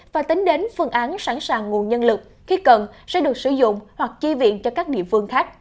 và tính đến phương án sẵn sàng nguồn nhân lực khi cần sẽ được sử dụng hoặc chi viện cho các địa phương khác